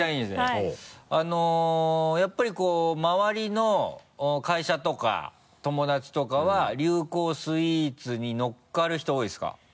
やっぱりこう周りの会社とか友達とかは流行スイーツにのっかる人多いですか？